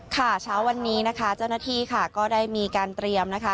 เช้าวันนี้นะคะเจ้าหน้าที่ค่ะก็ได้มีการเตรียมนะคะ